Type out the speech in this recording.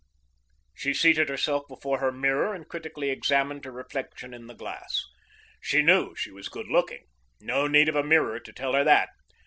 She seated herself before her mirror and critically examined her reflection in the glass. She knew she was good looking. No need of a mirror to tell her that.